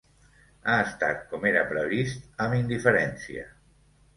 Ha estat, com era previst, amb indiferència.